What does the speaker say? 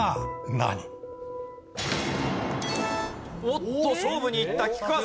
おっと勝負にいった菊川さん！